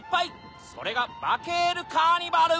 それがバケールカーニバル！